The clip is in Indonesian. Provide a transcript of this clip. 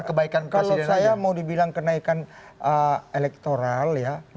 kalau saya mau dibilang kenaikan elektoral ya